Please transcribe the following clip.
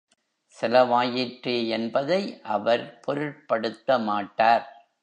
செலவாயிற்றே என்பதை அவர் பொருட்படுத்தமாட்டார்.